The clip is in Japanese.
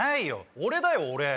俺だよ俺！